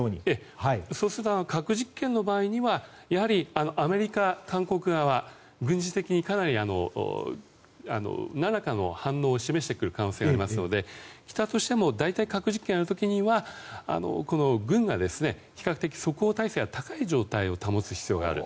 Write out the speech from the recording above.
そうすると核実験の場合にはやはりアメリカ、韓国側軍事的にかなり何らかの反応を示してくる可能性がありますので北朝鮮としても核実験をやる時には軍が比較的即応体制が高い状態を保つ必要がある。